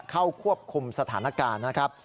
เข้าควบคุมสถานการณ์นะครับ